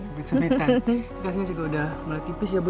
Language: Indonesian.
sempit sempitan kasurnya juga sudah mulai tipis ya bu